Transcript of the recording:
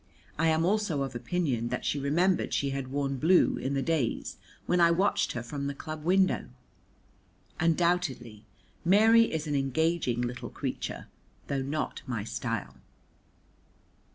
I am also of opinion that she remembered she had worn blue in the days when I watched her from the club window. Undoubtedly Mary is an engaging little creature, though not my style.